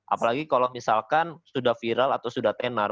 apalagi kalau misalkan sudah viral atau sudah tenar